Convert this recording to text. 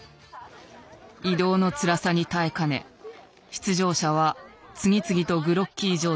移動のつらさに耐えかね出場者は次々とグロッキー状態に。